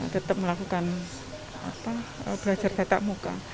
tetap melakukan belajar tatap muka